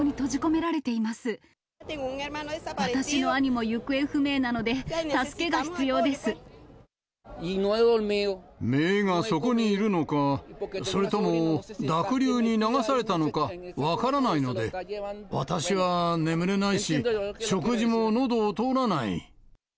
めいがそこにいるのか、それとも濁流に流されたのか分からないので、私は眠れないし、食事ものどを通らない。